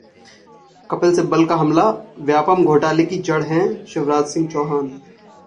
कपिल सिब्बल का हमला- व्यापमं घोटाले की 'जड़' हैं शिवराज सिंह चौहान